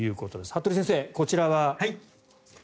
服部先生、こちらは？